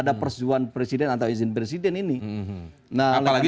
dan ini apalagi